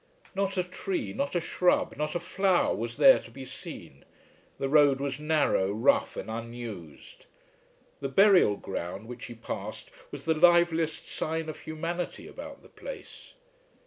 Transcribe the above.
Not a tree, not a shrub, not a flower was there to be seen. The road was narrow, rough, and unused. The burial ground which he passed was the liveliest sign of humanity about the place.